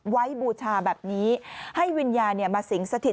บูชาแบบนี้ให้วิญญาณมาสิงสถิต